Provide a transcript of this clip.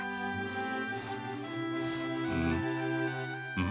うん？